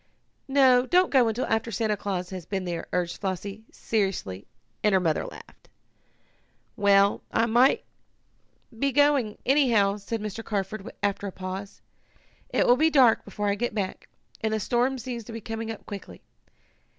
"No, don't go until after Santa Claus has been here," urged Flossie seriously, and her mother laughed. "Well, I must be going, anyhow," said Mr. Carford, after a pause. "It will be dark before I get back, and the storm seems to be coming up quickly.